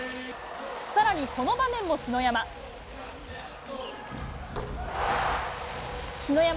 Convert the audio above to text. さらにこの場面も篠山。